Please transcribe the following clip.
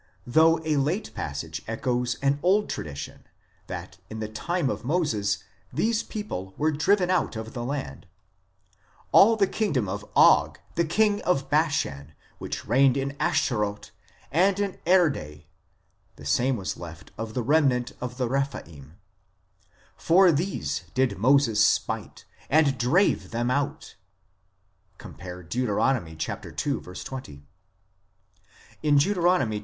12 ff., though a late passage, echoes an old tradition that in the time of Moses these people were driven out of the land :" All the kingdom of Og the king of Bashan, which reigned in Ashtaroth and in Edrei (the same was left of the remnant of the Rephaim) ; for these did Moses smite, and drave them out " (cp. Deut. ii. 20) ; in Deut.